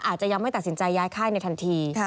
อาจจะยังไม่ตัดสินใจย้ายค่ายในทันที